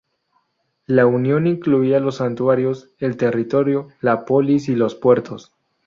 La unión incluía los santuarios, el territorio, la polis y los puertos.